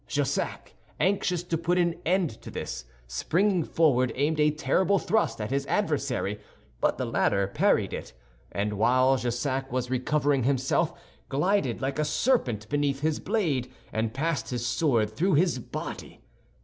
Jussac, anxious to put an end to this, springing forward, aimed a terrible thrust at his adversary, but the latter parried it; and while Jussac was recovering himself, glided like a serpent beneath his blade, and passed his sword through his body.